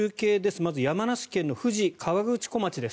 まず山梨県の富士河口湖町です